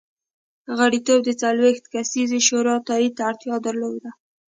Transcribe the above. غړیتوب د څلوېښت کسیزې شورا تایید ته اړتیا درلوده